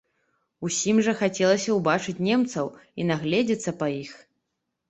Усім жа хацелася ўбачыць немцаў і нагледзецца па іх.